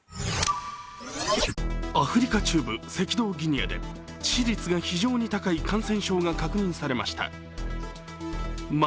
アフリカ中部・赤道ギニアで致死率が非常に高い感染症が確認されました。